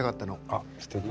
あっすてき。